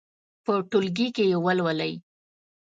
په ټولګي کې یې ولولئ.